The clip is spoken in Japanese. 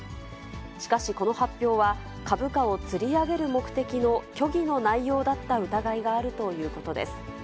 しかしこの発表は、株価をつり上げる目的の虚偽の内容だった疑いがあるということです。